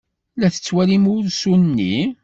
La tettwalim ursu-nni?